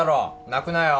泣くなよ